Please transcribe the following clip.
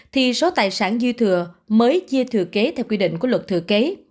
thì số tài sản dư thừa mới chia thừa kế theo quy định của luật thừa kế